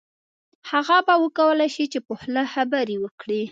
هغه به وکولای شي چې په خوله خبرې وکړي